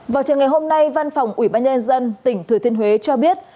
vào trường ngày hôm nay văn phòng ủy ban nhân dân tỉnh thừa thiên huế cho biết